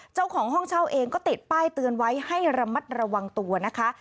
เจ้าของห้องเช่าเองก็ติดป้ายเตือนไว้ให้ระมัดระวังตัวนะคะ